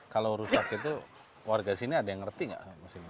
kalau rusak itu warga sini ada yang ngerti nggak